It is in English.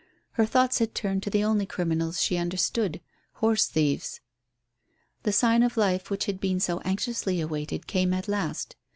Her thoughts had turned to the only criminals she understood horse thieves. The sign of life which had been so anxiously awaited came at last.